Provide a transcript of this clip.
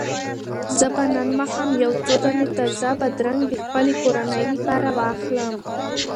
زه به نن ماښام یو څو دانې تازه بادرنګ د خپلې کورنۍ لپاره واخلم.